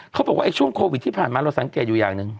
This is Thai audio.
เขาบอกว่าช่วงโควิดที่ผ่านมาเราสังเกตอยู่อย่างหนึ่ง